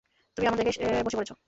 তুমি আমার জায়গায় বসে পড়েছ।